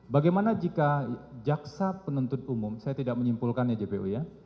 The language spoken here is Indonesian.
bagaimana jika jaksa penuntut umum saya tidak menyimpulkan ya jpu ya